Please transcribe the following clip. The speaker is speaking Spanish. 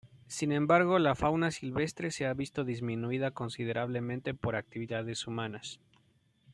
Sin embargo la fauna silvestre se ha visto disminuida considerablemente por actividades humanas.